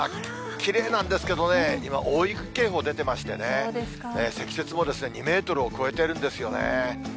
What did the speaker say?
きれいなんですけどね、今、大雪警報出てましてね、積雪も２メートルを超えてるんですよね。